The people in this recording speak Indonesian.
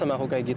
aku mau pulang